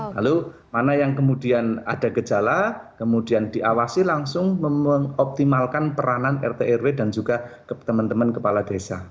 lalu mana yang kemudian ada gejala kemudian diawasi langsung mengoptimalkan peranan rt rw dan juga teman teman kepala desa